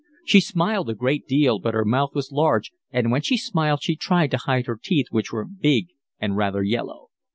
She smiled a great deal, but her mouth was large and when she smiled she tried to hide her teeth, which were big and rather yellow.